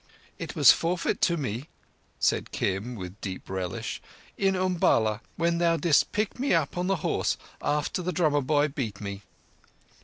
"It was forfeit to me," said Kim, with deep relish, "in Umballa, when thou didst pick me up on the horse after the drummer boy beat me."